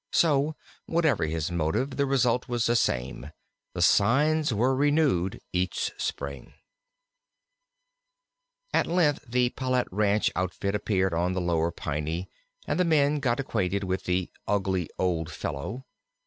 So, whatever his motive, the result was the same: the signs were renewed each spring. At length the Palette Ranch outfit appeared on the Lower Piney, and the men got acquainted with the "ugly old fellow."